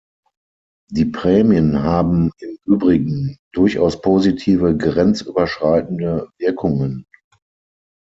Die Prämien haben im Übrigen durchaus positive grenzüberschreitende Wirkungen.